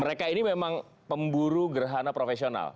mereka ini memang pemburu gerhana profesional